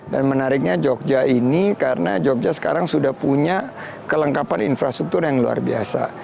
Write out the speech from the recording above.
dan menariknya yogyakarta ini karena yogyakarta sekarang sudah punya kelengkapan infrastruktur yang luar biasa